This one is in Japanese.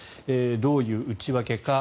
どういう内訳か。